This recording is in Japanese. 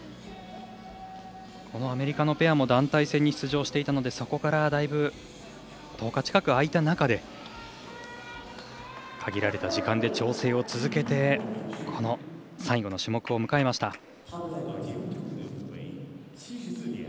アメリカのペアも団体戦に出場していたのでそこから、だいぶ１０日近く空いた中で限られた時間で調整を続けてこの最後の種目を迎えました。